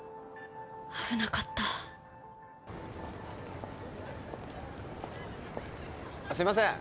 危なかったあっすいません